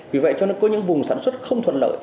vì vậy cho nó có những vùng sản xuất không thuận lợi